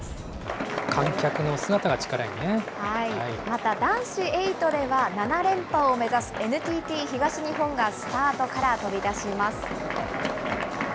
また男子エイトでは、７連覇を目指す、ＮＴＴ東日本がスタートから飛び出します。